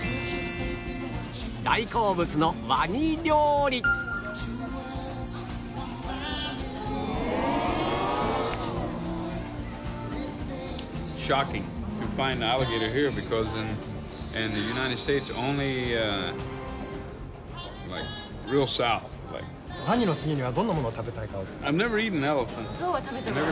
大好物のワニ料理ワニの次にはどんなものを食べたいかを。